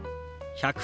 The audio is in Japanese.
「１００」。